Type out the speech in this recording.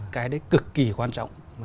cái đấy cực kỳ quan trọng